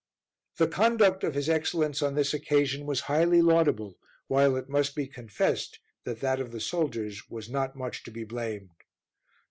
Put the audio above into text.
The conduct of his Excellence on this occasion was highly laudable, while it must be confessed that that of the soldiers was not much to be blamed.